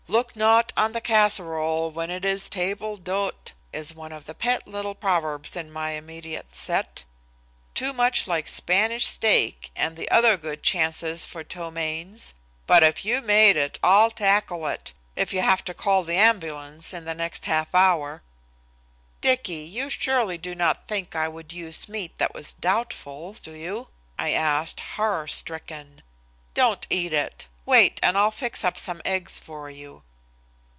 Look not on the casserole when it is table d'hote, is one of the pet little proverbs in my immediate set. Too much like Spanish steak and the other good chances for ptomaines. But if you made it I'll tackle it if you have to call the ambulance in the next half hour." "Dicky, you surely do not think I would use meat that was doubtful, do you?" I asked, horror stricken. "Don't eat it. Wait and I'll fix up some eggs for you."